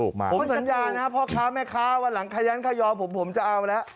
ค้าไม่ค้าวันหลังขย้นขยอผมผมจะเอาแล้ว